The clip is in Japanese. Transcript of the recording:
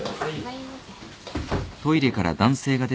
はい。